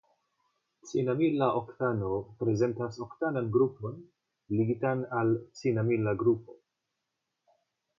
Cinamila oktanato prezentas oktanatan grupon ligitan al cinamila grupo.